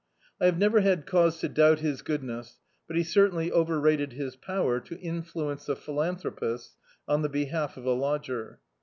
I have never had cause to doubt his goodness, but he certainly overrated Us power to influence the philanthropist on the behalf of a lodger.